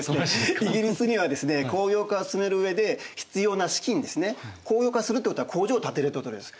イギリスにはですね工業化を進める上で必要な資金ですね工業化するってことは工場を建てるってことです。